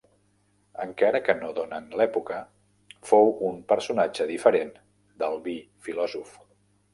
Encara que no donen l'època, fou un personatge diferent d'Albí filòsof.